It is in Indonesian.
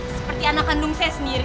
seperti anak kandung saya sendiri